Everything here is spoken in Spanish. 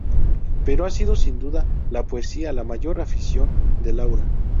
Pero ha sido sin duda la Poesía la mayor afición de Laura.